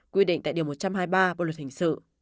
quy định tại điều một trăm hai mươi ba bộ luật hình sự